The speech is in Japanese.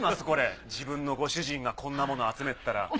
これ自分のご主人がこんなもの集めてたら。